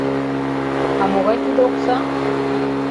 — А могай тиде окса?